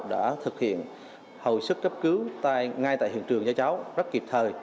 đã thực hiện hầu sức cấp cứu ngay tại hiện trường cho cháu rất kịp thời